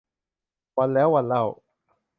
วันแล้ววันเล่า